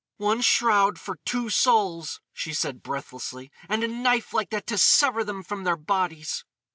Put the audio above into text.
"One shroud for two souls!" she said breathlessly, "—and a knife like that to sever them from their bodies!"